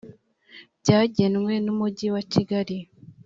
byagenwe n umujyi wa kigali